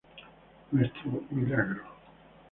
Nuestro milagro